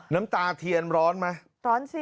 น้ำตาเทียนร้อนไหม